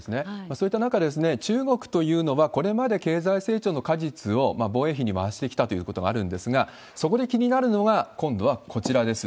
そういった中、中国というのは、これまで経済成長の果実を防衛費に回してきたということがあるんですが、そこで気になるのが、今度はこちらです。